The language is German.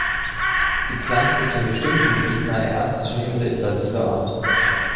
Die Pflanze ist in bestimmten Gebieten eine ernstzunehmende invasive Art.